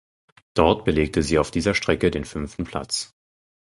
Dort belegte sie auf dieser Strecke den fünften Platz.